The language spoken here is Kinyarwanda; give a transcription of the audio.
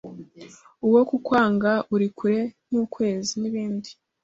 uwo kukwanga uri kure nk’ukwezi, n’ibindi.